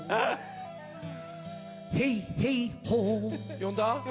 「呼んだ？」